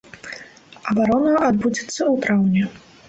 Абарона адбудзецца ў траўні.